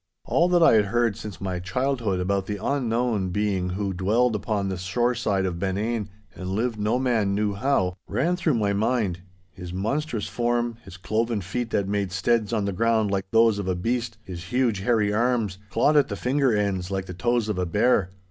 All that I had heard since my childhood, about the unknown being who dwelled upon the shore side of Benane and lived no man knew how, ran through my mind—his monstrous form, his cloven feet that made steads on the ground like those of a beast, his huge, hairy arms, clawed at the finger ends like the toes of a bear.